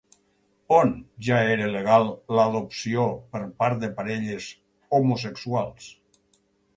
On ja era legal l'adopció per part de parelles homosexuals?